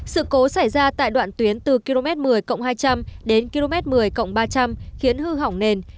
sự cố xảy ra tại đoạn tuyến từ km một mươi hai trăm linh đến km một mươi ba trăm linh khiến hư hỏng nền